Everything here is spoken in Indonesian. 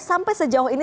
sampai sejauh ini